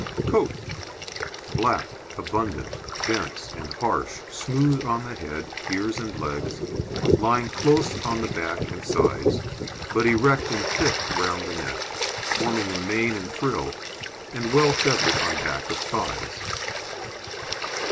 COAT Black, abundant, dense, and harsh, smooth on the head, ears and legs, lying close on the back and sides, but erect and thick round the neck, forming a mane and frill, and well feathered on back of thighs.